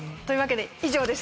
以上です！